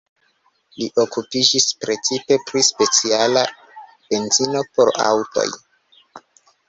Li okupiĝis precipe pri speciala benzino por aŭtoj.